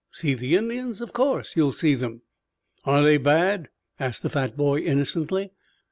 "See the Indians? Of course you'll see them." "Are they bad?" asked the fat boy innocently.